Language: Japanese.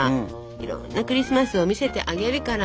いろんなクリスマスを見せてあげるから。